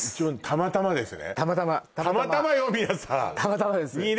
たまたまです